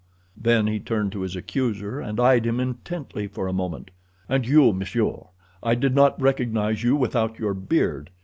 Then he turned to his accuser, and eyed him intently for a moment. "And you, monsieur, I did not recognize you without your beard.